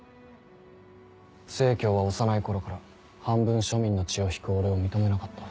成は幼い頃から半分庶民の血を引く俺を認めなかった。